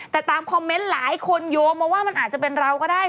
แต่ตามคอมเมนต์หลายคนโยงมาว่ามันอาจจะเป็นเราก็ได้